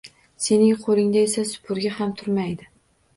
Sening qo`lingda esa supurgi ham turmaydi